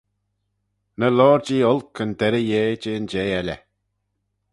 Ny loayr-jee olk yn derrey yeh jeh'n jeh elley.